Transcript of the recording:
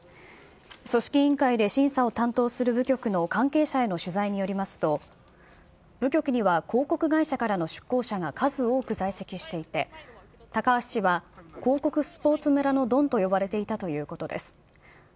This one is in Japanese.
組織委員会で審査を担当する部局の関係者への取材によりますと、部局には広告会社からの出向者が数多く在籍していて、高橋氏は広告スポーツ村のドンと呼ばれていたということです